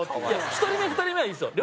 １人目２人目はいいんですよ。